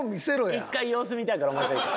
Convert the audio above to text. １回様子見たいからお前から。